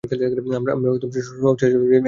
আমরা শহর ছেড়ে চলে যাচ্ছি, হ্যাংক।